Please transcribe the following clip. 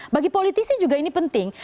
bagi politisi juga ini penting